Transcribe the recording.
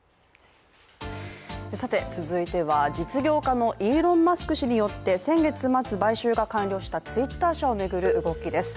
続いては、実業家のイーロン・マスク氏によって先月末、買収が完了したＴｗｉｔｔｅｒ社を巡る動きです。